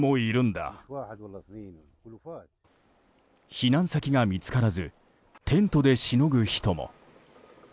避難先が見つからずテントでしのぐ人も。